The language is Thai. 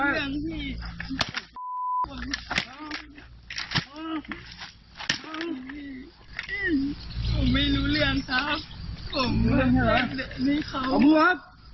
ที่มันต้องมาที่สุดอย่างงี้ครับ